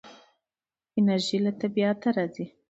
انرژي له طبیعته راځي.